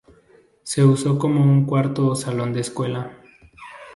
Se usó como un cuarto o salón de escuela.